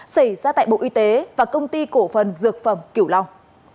xảy ra tại bộ y tế và công ty cổ phần dược phẩm kiểu long